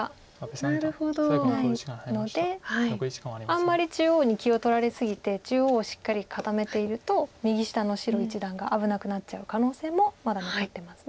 あんまり中央に気を取られ過ぎて中央をしっかり固めていると右下の白一団が危なくなっちゃう可能性もまだ残ってます。